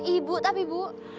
ibu tapi bu